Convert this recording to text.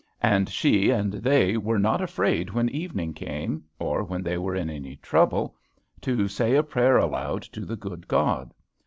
And she and they were not afraid when evening came, or when they were in any trouble, to say a prayer aloud to the good God.